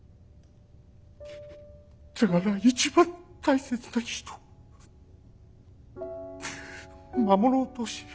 だから一番大切な人を守ろうとし。